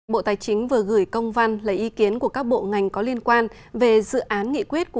bộ tài chính vừa gửi công văn lấy ý kiến của các bộ ngành có liên quan về dự án nghị quyết của